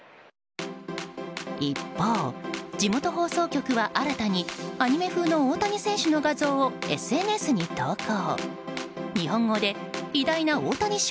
一方、地元放送局は新たにアニメ風の大谷選手の画像をＳＮＳに投稿。